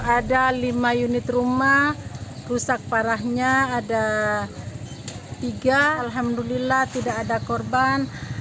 ada lima unit rumah rusak parahnya ada tiga alhamdulillah tidak ada korban